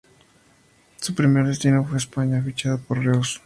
Su primer destino fue España, fichando por Reus.